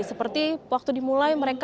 seperti waktu dimulai mereka